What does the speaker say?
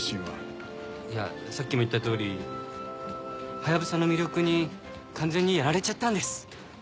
いやさっきも言ったとおりハヤブサの魅力に完全にやられちゃったんです。